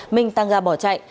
minh tăng ra bỏ chạy